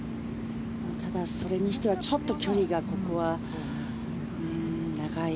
ただ、それにしてはちょっと距離がここは長い。